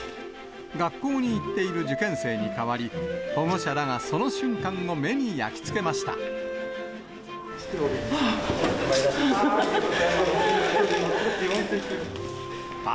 学校に行っている受験生に代わり、保護者らがその瞬間を目に焼き付ああ！